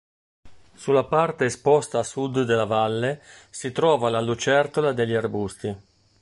Sulla parte esposta a sud della valle si trova la lucertola degli arbusti.